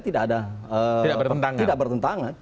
tidak ada tidak bertentangan